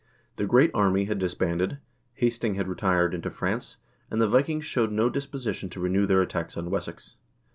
The "Great Army" had disbanded, Hasting had retired into France, and the Vikings showed no disposi tion to renew their attacks on Wessex.